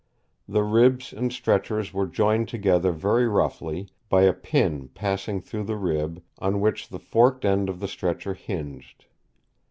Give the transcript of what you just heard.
The ribs and stretchers were jointed together very roughly, by a pin passing through the rib, on which the forked end of the stretcher hinged.